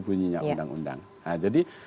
bunyinya undang undang jadi